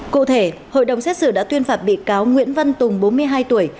cụ thể hội đồng xét xử đã tuyên phạt bị cáo nguyễn văn tùng bốn mươi hai tuổi